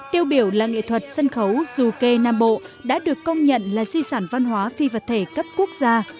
tiêu biểu là nghệ thuật sân khấu du kê nam bộ đã được công nhận là di sản văn hóa phi vật thể cấp quốc gia